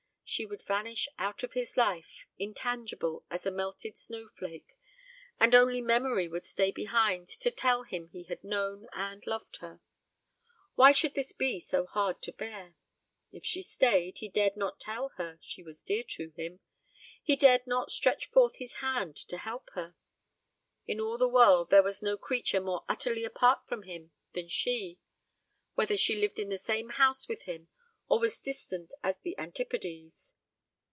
She would vanish out of his life, intangible as a melted snow flake, and only memory would stay behind to tell him he had known and loved her. Why should this be so hard to bear? If she stayed, he dared not tell her she was dear to him; he dared not stretch forth his hand to help her. In all the world there was no creature more utterly apart from him than she, whether she lived in the same house with him or was distant as the Antipodes.